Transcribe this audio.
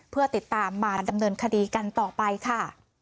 เพื่อติดตามมาดำเนินคดีกันต่อไปค่ะ